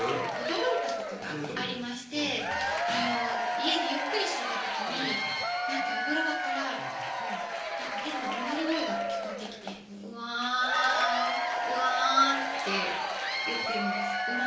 驚いたことがありまして家でゆっくりしてた時にお風呂場から変なうなり声が聞こえてきて「ウワーンウワーン」って言ってるんです